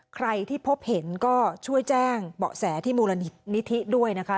ใครที่พบเห็นก็ช่วยแจ้งเบาะแสที่มูลนิธิด้วยนะคะ